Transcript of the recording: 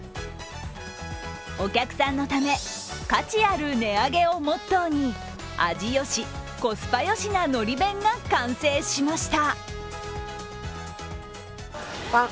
お客さんのため価値ある値上げをモットーに味よし、コスパよしな海苔弁が完成しました。